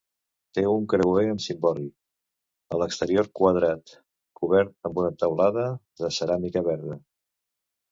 Té un creuer amb cimbori, a l'exterior quadrat, cobert amb una teulada de ceràmica verda.